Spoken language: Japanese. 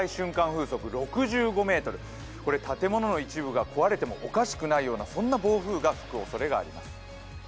風速６５メートル、これ建物の一部が壊れてもおかしくないようなそんな暴風が吹くおそれがあります。